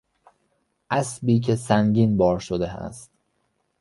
اسبی که سنگین بار شده است